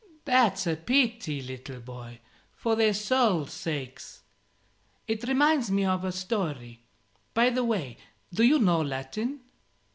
"That's a pity, little boy, for their souls' sakes. It reminds me of a story by the way, do you know Latin?